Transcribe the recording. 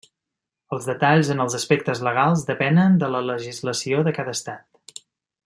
Els detalls en els aspectes legals depenen de la legislació de cada Estat.